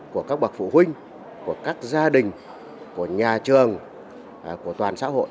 của các bậc phụ huynh của các gia đình của nhà trường của toàn xã hội